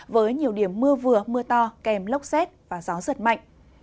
với nhiều điểm mưa vừa mưa to kèm lốc xét và gió giật mạnh